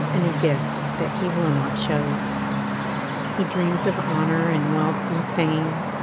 And a gift that he will not show. 1 102] He dreams of honor and wealth and f ame.